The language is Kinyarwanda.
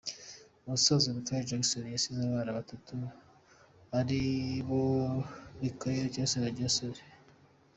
Ubusanzwe Michael Jackson yasize abana batatu ari bo Michael Joseph Jackson Jr.